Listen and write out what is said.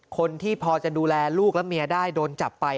คนที่พอจะดูแลลูกและเมียได้โดนจับไป